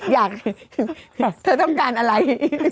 อยากเธอต้องการอะไร